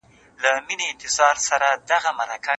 افغان ښځي عادلانه محکمې ته اسانه لاسرسی نه لري.